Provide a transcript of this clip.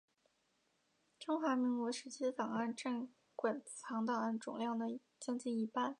中华民国时期的档案占馆藏档案总量的将近一半。